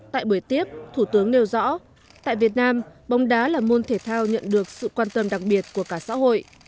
tại buổi tiếp thủ tướng nêu rõ tại việt nam bóng đá là môn thể thao nhận được sự quan tâm đặc biệt của cả xã hội